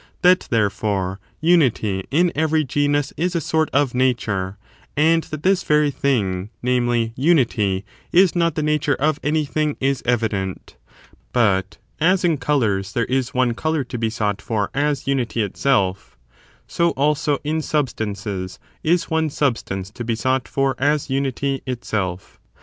That, therefore, unity in every genus is a sort of nature, and that this very thing — namely, unity — is^ not the nature of anything, is evident ; but as in colours there is one colour to be sought for as imity itself, so, also, in sub stances is one substance to be sought for as unity itself.